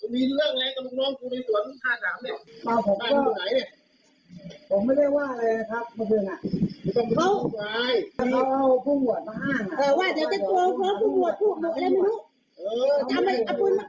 นี่มันอะไรเป็นตำรวจ